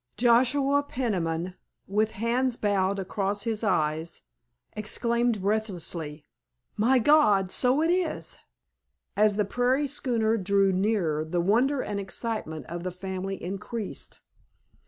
_" Joshua Peniman, with hands bowed across his eyes, exclaimed breathlessly, "My God, so it is!" As the prairie schooner drew nearer the wonder and excitement of the family increased.